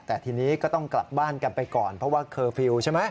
แต่ทีนี้ก็ต้องกลับบ้านกันไปก่อนเพราะว่าเคอร์ฟิลล์ใช่ไหม